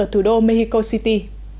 thủ đô mexico city